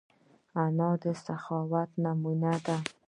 انا د سخاوت نمونه ده